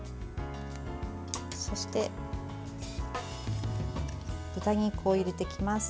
そして、豚肉を入れていきます。